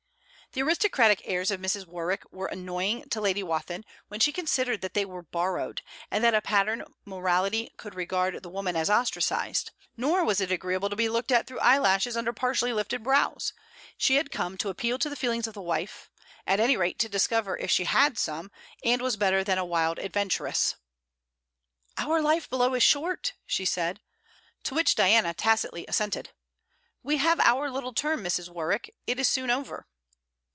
The aristocratic airs of Mrs. Warwick were annoying to Lady Wathin when she considered that they were borrowed, and that a pattern morality could regard the woman as ostracized: nor was it agreeable to be looked at through eyelashes under partially lifted brows. She had come to appeal to the feelings of the wife; at any rate, to discover if she had some and was better than a wild adventuress. 'Our life below is short!' she said. To which Diana tacitly assented. 'We have our little term, Mrs. Warwick. It is soon over.'